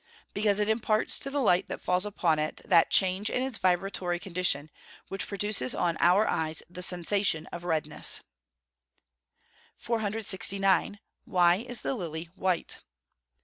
_ Because it imparts to the light that falls upon it that change in its vibratory condition, which produces on our eyes the sensation of redness. 469. _Why is the lily white?